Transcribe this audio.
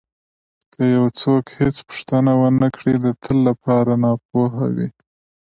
که یو څوک هېڅ پوښتنه ونه کړي د تل لپاره ناپوه وي.